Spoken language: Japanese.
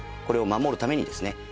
これを守るためにですね